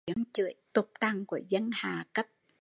Tiếng chưởi tục tằn của dân hạ cấp